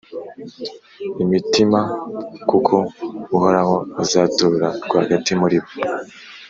imitima kuko uhoraho azatura rwagati muri bo,